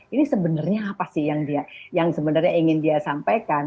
ini sebenarnya apa sih yang sebenarnya ingin dia sampaikan